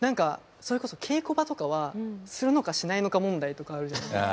それこそ稽古場とかはするのかしないのか問題とかあるじゃないですか。